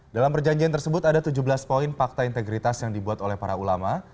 dalam perjanjian tersebut ada tujuh belas poin fakta integritas yang dibuat oleh para ulama